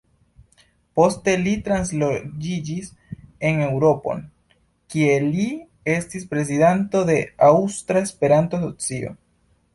Poste li transloĝiĝis en Eŭropon, kie li estis prezidanto de “Aŭstra Esperanto-Asocio”.